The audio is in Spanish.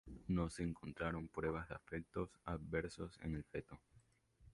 No se encontraron pruebas de efectos adversos en el feto.